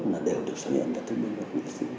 là đều được xét duyệt